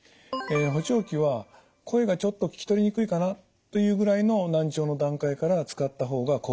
補聴器は声がちょっと聞き取りにくいかなというぐらいの難聴の段階から使った方が効果的です。